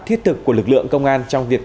thiết thực của lực lượng công an trong việc